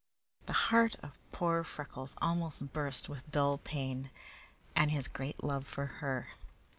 The heart of poor Freckles almost burst with dull pain and his great love for her.